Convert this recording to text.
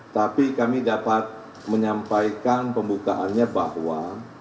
tapi kami dapat menyampaikan pembukaannya bahwa